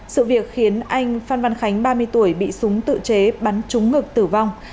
sự việc khiến anh phan văn khánh ba mươi tuổi bị súng tự chế bắn trúng ngực tử vong